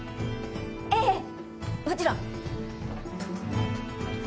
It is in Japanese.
ええもちろん。